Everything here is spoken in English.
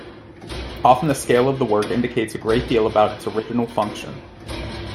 Often the scale of the work indicates a great deal about its original function.